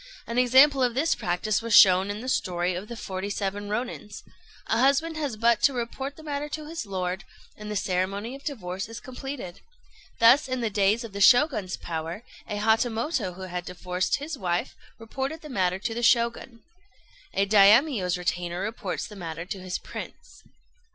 An example of this practice was shown in the story of "The Forty seven Rônins." A husband has but to report the matter to his lord, and the ceremony of divorce is completed. Thus, in the days of the Shoguns' power, a Hatamoto who had divorced his wife reported the matter to the Shogun. A Daimio's retainer reports the matter to his Prince.